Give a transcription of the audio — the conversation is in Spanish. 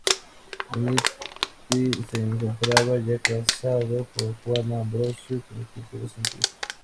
Minetti se encontraba ya casado con Juana Ambrosio, con quien tuvo cinco hijos.